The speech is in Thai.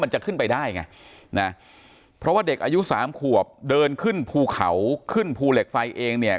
จะขึ้นไปได้ไงนะเพราะว่าเด็กอายุสามขวบเดินขึ้นภูเขาขึ้นภูเหล็กไฟเองเนี่ย